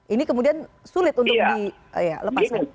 ini kemudian sulit untuk dilepaskan